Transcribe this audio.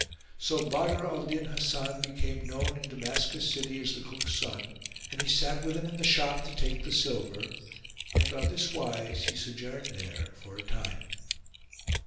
So Badr al Din Hasan became known in Damascus city as the Cook's son and he sat with him in the shop to take the silver, and on this wise he sojourned there for a time.